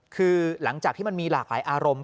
คือหลังจากที่มันมีหลากหลายอารมณ์